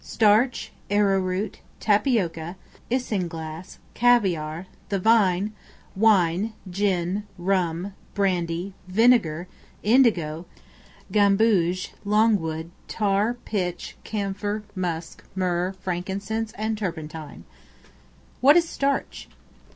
STARCH, ARROW ROOT, TAPIOCA, ISINGLASS, CAVIARE, THE VINE, WINE, GIN, RUM, BRANDY, VINEGAR, INDIGO, GAMBOGE, LOGWOOD, TAR, PITCH, CAMPHOR, MUSK, MYRRH, FRANKINCENSE, AND TURPENTINE. What is Starch?